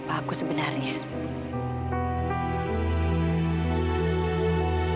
banyak pemerintah disini pingin tutup